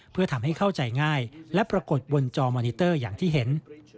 เพื่อทำให้เข้าใจง่ายและปรากฏบนจอมอนิเตอร์อย่างที่เห็น